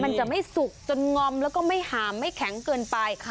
มันจะไม่สุกจนงอมแล้วก็ไม่หามไม่แข็งเกินไป